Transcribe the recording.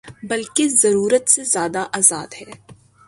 بلکہ ضرورت سے زیادہ آزاد ہے۔